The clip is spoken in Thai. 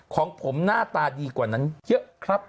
ของผมหน้าตาดีกว่านั้นเยอะครับ